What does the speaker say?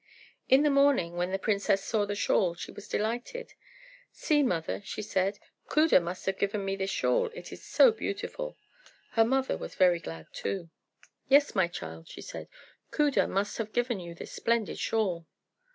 In the morning, when the princess saw the shawl she was delighted. "See, mother," she said; "Khuda must have given me this shawl, it is so beautiful." Her mother was very glad too. "Yes, my child," she said; "Khuda must have given you this splendid shawl."